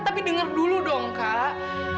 tapi dengar dulu dong kak